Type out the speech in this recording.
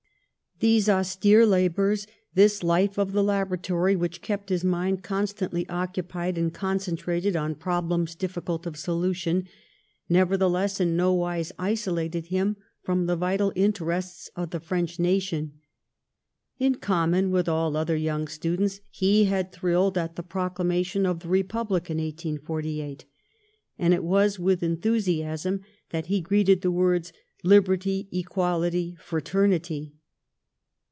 These austere labours, this life of the labora tory, which kept his mind constantly occupied and concentrated on problems difficult of solu tion, nevertheless in no wise isolated him from the vital interests of the French nation. In common with all other young students, he had thrilled at the proclamation of the Republic in 1848, and it was with enthusiasm that he greeted the words, ''Liberty, Equality, Fra ternity."